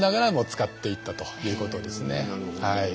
なるほど。